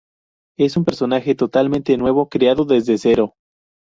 Es un personaje totalmente nuevo, creado desde cero.